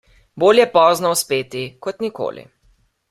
Bolje pozno uspeti kot nikoli.